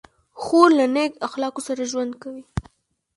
خور له نیک اخلاقو سره ژوند کوي.